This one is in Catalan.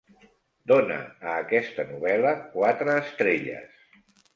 Dóna a aquesta novel·la quatre estrelles